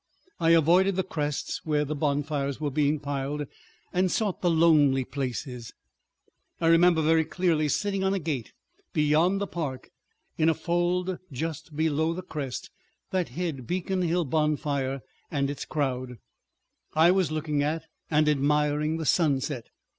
I avoided the crests where the bonfires were being piled, and sought the lonely places. ... I remember very clearly sitting on a gate beyond the park, in a fold just below the crest, that hid the Beacon Hill bonfire and its crowd, and I was looking at and admiring the sunset.